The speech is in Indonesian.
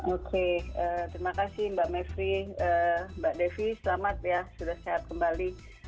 oke terima kasih mbak mepri mbak devi selamat ya sudah sehat kembali